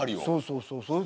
そうそうそう。